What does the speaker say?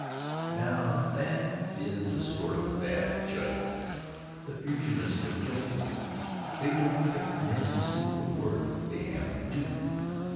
Now, that is the sort of bad judgment the Fusionists are guilty of. They don't pick men to suit the work they have to do.